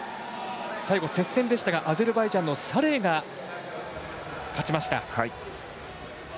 最後、接戦でしたがアゼルバイジャンのサレイが勝ちました。